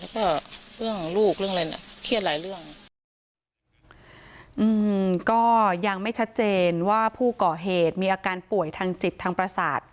ก็ยังไม่ชัดเจนว่าผู้ก่อเหตุมีอาการป่วยทางจิตทางประสาท